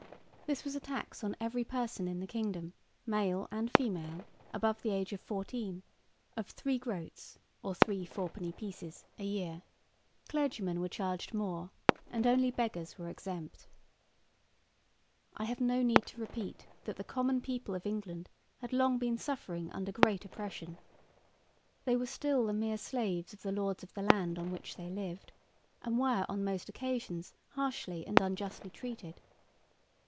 This was a tax on every person in the kingdom, male and female, above the age of fourteen, of three groats (or three four penny pieces) a year; clergymen were charged more, and only beggars were exempt. I have no need to repeat that the common people of England had long been suffering under great oppression. They were still the mere slaves of the lords of the land on which they lived, and were on most occasions harshly and unjustly treated.